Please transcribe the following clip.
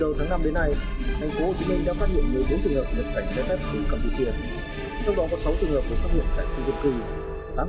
trong đó có sáu trường hợp được phát hiện tại khu dân cư